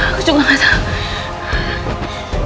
aku juga gak tau